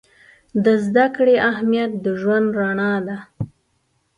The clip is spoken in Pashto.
د زده کړې اهمیت د ژوند رڼا ده.